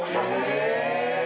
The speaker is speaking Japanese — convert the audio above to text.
へえ。